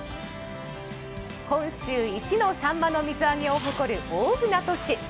本州一のさんまの水揚げを誇る大船渡市。